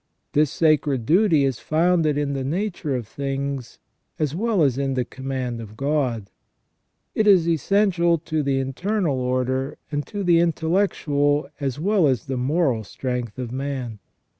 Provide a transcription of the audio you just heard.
This sacred duty is founded in the nature of things as well as in the command of God. It is essential to the internal order and to the intel lectual as well as the moral strength of man.